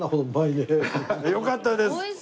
よかったです！